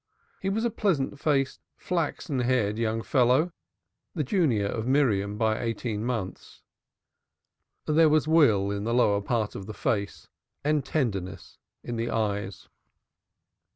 He was a pleasant faced, flaxen haired young fellow, the junior of Miriam by eighteen months. There was will in the lower part of the face and tenderness in the eyes.